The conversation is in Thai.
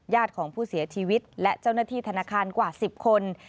ของผู้เสียชีวิตและเจ้าหน้าที่ธนาคารกว่า๑๐คน